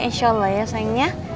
insya allah ya sayangnya